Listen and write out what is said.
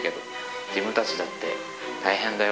自分たちだって大変だよ。